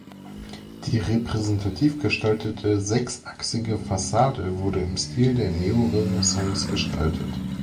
Die repräsentativ gestaltete sechsachsige Fassade wurde im Stil der Neorenaissance gestaltet.